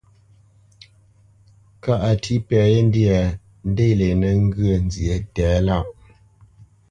Kâʼ a tí pɛ yé ndyâ, ndě lenə́ ŋgyə̌ nzyéʼ tɛ̌lâʼ.